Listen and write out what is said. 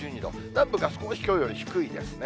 南部が少しきょうより低いですね。